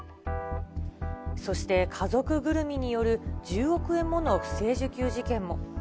そして家族ぐるみによる１０億円もの不正受給事件も。